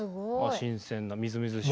新鮮なみずみずしい。